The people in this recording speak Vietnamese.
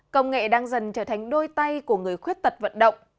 công nghệ đang dần trở thành đôi tay của người khuyết tật vận động